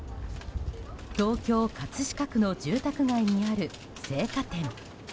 東京・葛飾区の住宅街にある青果店。